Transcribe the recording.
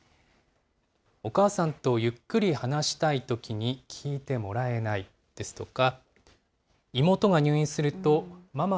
お母さんとゆっくり話したいときに聞いてもらえないですとか。